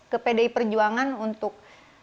ke pdi perjuangan untuk